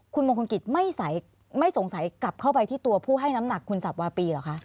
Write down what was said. คุณมงคลกิจไม่สงสัยกลับเข้าไปที่ตัวผู้ให้น้ำหนักคุณสับวาปีเหรอคะ